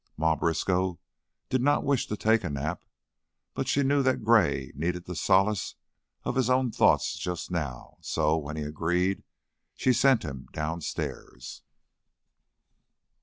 Ma Briskow did not wish to take a nap, but she knew that Gray needed the solace of his own thoughts just now, so, when he agreed, she sent him downstairs.